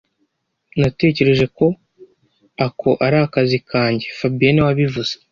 Natekereje ko ako ari akazi kanjye fabien niwe wabivuze